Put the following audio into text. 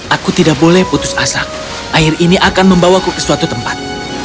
aku tidak boleh putus asak air ini akan membawaku ke suatu tempat